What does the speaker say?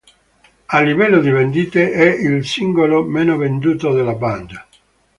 A livello di vendite, è il singolo meno venduto della band.